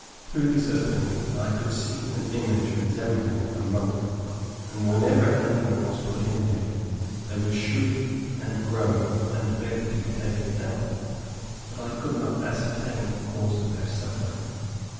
Through this opening I could see an image resembling a monk; and whenever any one was put in there, they would shriek, and groan, and beg to be taken out, but I could not ascertain the cause of their suffering.